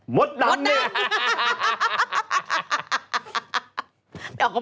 หมดดำเนี่ย